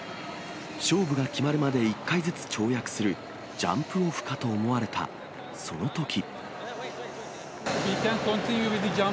勝負が決まるまで１回ずつ跳躍するジャンプオフかと思われた、そのとき。